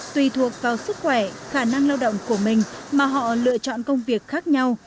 tùy thuộc vào sức khỏe khả năng lao động của mình mà họ lựa chọn công việc khác nhau